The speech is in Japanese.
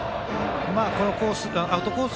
アウトコース